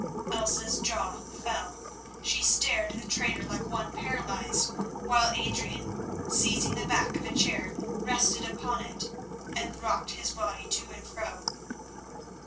Elsa's jaw fell. She stared at the traitor like one paralysed, while Adrian, seizing the back of a chair, rested upon it, and rocked his body to and fro.